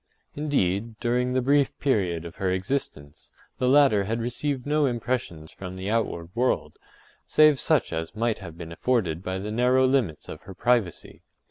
Indeed, during the brief period of her existence, the latter had received no impressions from the outward world, save such as might have been afforded by the narrow limits of her privacy.